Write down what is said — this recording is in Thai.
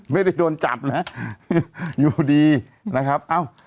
ไม่ได้โดนจับนะอยู่ดีนะครับเอ้า